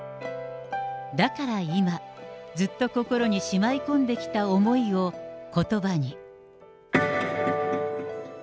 だから今、ずっと心にしまい込んできた思いをことばに。